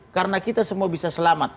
karena kita semua bisa selamat